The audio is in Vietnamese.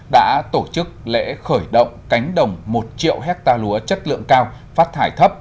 đã tổ chức lễ khởi động cánh đồng một triệu hectare lúa chất lượng cao phát thải thấp